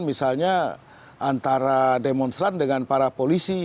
misalnya antara demonstran dengan para polisi